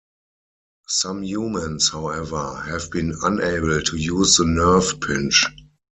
Some humans, however, have been unable to use the nerve pinch.